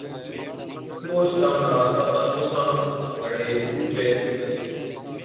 تہ اوهچ ڄامڙا ساتان ڪوسان هاڙي بُوٽ پيهرتِي،